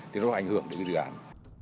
thì nó sẽ ảnh hưởng đến cái dự án